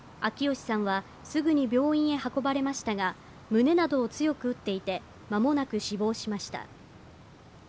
秋吉さんはすぐに病院へ運ばれましたが、胸などを強く打っていてまもなく死亡しました。